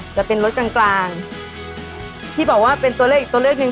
จะเป็นรถกลางกลางที่บอกว่าเป็นตัวเลขอีกตัวเลขหนึ่ง